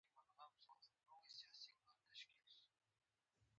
واوره د افغانستان د جغرافیې یوه ښه بېلګه ده.